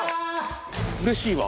うれしいわ。